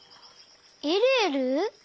えるえる？